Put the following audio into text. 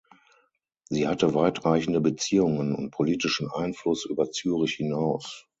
Sie hatte weitreichende Beziehungen und politischen Einfluss über Zürich hinaus.